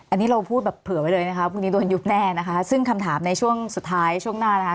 อันนี้เราพูดแบบเผื่อไว้เลยนะคะพรุ่งนี้โดนยุบแน่นะคะซึ่งคำถามในช่วงสุดท้ายช่วงหน้านะคะ